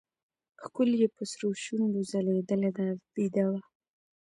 ښکل يې په سرو شونډو ځلېدله دا بېده وه.